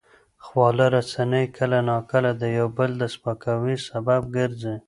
خواله رسنۍ کله ناکله د یو بل د سپکاوي سبب ګرځي.